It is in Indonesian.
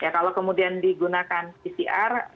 kalau kemudian digunakan pcr